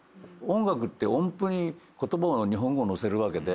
音楽って音符に言葉を日本語乗せるわけで。